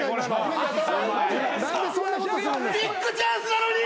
ビッグチャンスなのに！